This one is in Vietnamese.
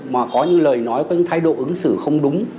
mà có những lời nói có những thái độ ứng xử không đúng